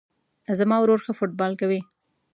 زما ورور ښه فوټبال کوی